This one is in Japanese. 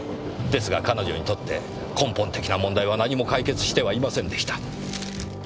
ですが彼女にとって根本的な問題は何も解決してはいませんでした。